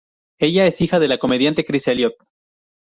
Ella es la hija del comediante Chris Elliott.